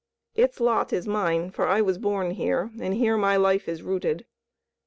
Its lot is mine, for I was born here, and here my life is rooted.